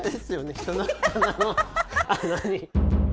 人の鼻の穴に。